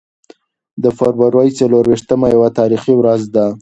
د فبرورۍ څلور ویشتمه یوه تاریخي ورځ ده.